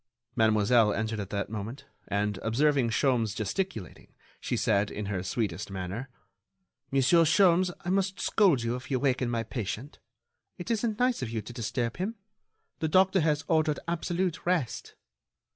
Mademoiselle entered at that moment, and, observing Sholmes gesticulating, she said, in her sweetest manner: "Monsieur Sholmes, I must scold you if you waken my patient. It isn't nice of you to disturb him. The doctor has ordered absolute rest."